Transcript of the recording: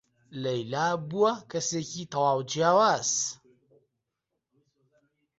لەیلا بووە کەسێکی تەواو جیاواز.